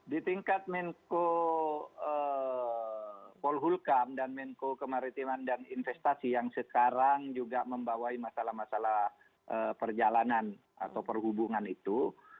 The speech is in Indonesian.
di tingkat menko polhukam dan menko kemaritiman dan investasi yang sekarang juga membawai masalah masalah perjalanan atau perhubungan itu